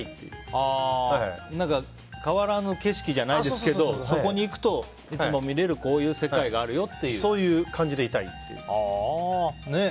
変わらぬ景色じゃないですけどそこにいくといつも見れるこういう世界がそういう感じでいたいっていう。